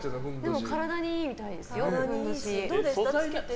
でも体にいいみたいですよ。